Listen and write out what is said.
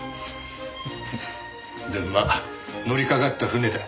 でもまあ乗りかかった船だ。